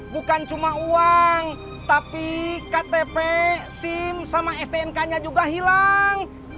bukan cuma uang tapi ktp sim sama stnk nya juga hilang